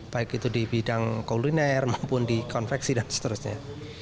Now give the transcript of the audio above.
baik itu di bidang kuliner maupun di konveksi dan seterusnya